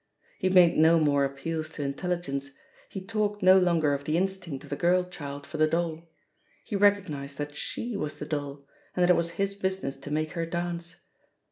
He made no more appeals to intelligence, he talked no longer of the instinct of the girl child for the doll; he recognised that she was the doll, and that it was his business to make her dance.